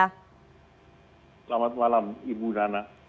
selamat malam ibu nana